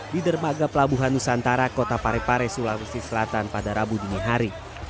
di dermaga pelabuhan nusantara kota parepare sulawesi selatan pada rabu dini hari